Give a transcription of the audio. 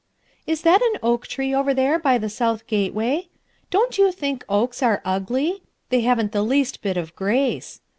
"Is that an oak tree over there by the south gateway? Don't you think oaks are ugly? They haven't the least bit of grace.